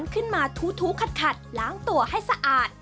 ขึ้นมาถูขัดล้างตัวให้สะอาด